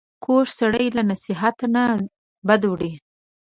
کوږ سړی له نصیحت نه بد وړي